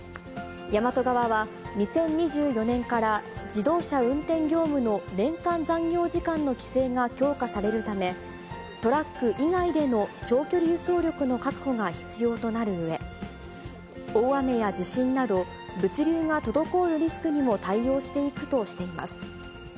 ヤマト側は、２０２４年から自動車運転業務の年間残業時間の規制が強化されるため、トラック以外での長距離輸送力の確保が必要となるうえ、大雨や地震など、物流が滞るリスクにも対応していくとしています。